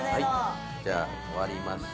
じゃあ終わりました。